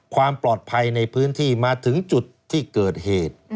ความปลอดภัยในพื้นที่มาถึงจุดที่เกิดเหตุ